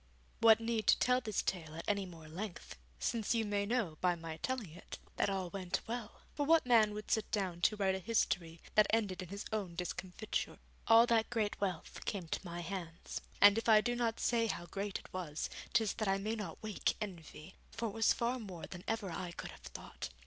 What need to tell this tale at any more length, since you may know, by my telling it, that all went well? for what man would sit down to write a history that ended in his own discomfiture? All that great wealth came to my hands, and if I do not say how great it was, 'tis that I may not wake envy, for it was far more than ever I could have thought.